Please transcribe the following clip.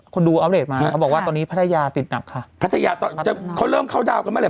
ดูอัปเดตมาเขาบอกว่าตอนนี้พัทยาติดหนักค่ะพัทยาตอนจะเขาเริ่มเข้าดาวนกันเมื่อไห